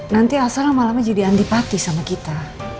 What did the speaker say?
nanti asalnya malamnya jadi antipati sama kita